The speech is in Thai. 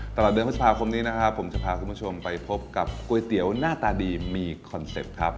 ตลอดเดือนพฤษภาคมนี้นะครับผมจะพาคุณผู้ชมไปพบกับก๋วยเตี๋ยวหน้าตาดีมีคอนเซ็ปต์ครับ